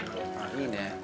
いいね。